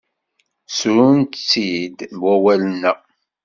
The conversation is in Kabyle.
Ssrun-tt-id wawalen-a.